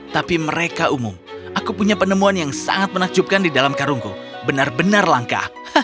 tapi mereka umum aku punya penemuan yang sangat menakjubkan di dalam karungku benar benar langka